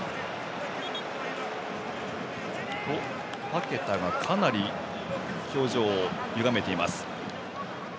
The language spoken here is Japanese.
パケタがかなり表情をゆがめています。